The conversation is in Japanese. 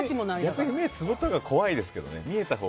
逆に目つぶったほうが怖いですよ。